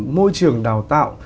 môi trường đào tạo